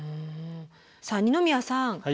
さあ二宮さん